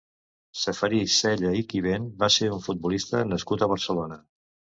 Ceferí Cella i Quivent va ser un futbolista nascut a Barcelona.